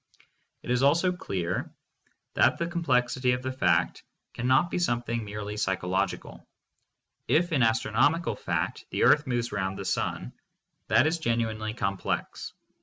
It is also clear that the complexity of the fact can not be something merely psychological. If in astronomical THE PHILOSOPHY OF LOGICAL ATOMISM. 519 fact the earth moves round the sun, that is genuinely com plex.